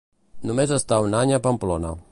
Només està un any a Pamplona.